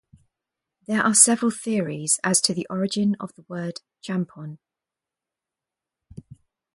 There are several theories as to the origin of the word champon.